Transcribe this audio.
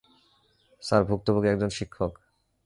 Sir, ভুক্তভোগী একজন শিক্ষক।